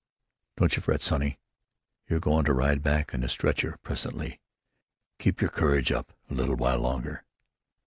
"Don't you fret, sonny! You're a go'n' to ride back in a stretcher presently. Keep yer courage up a little w'ile longer."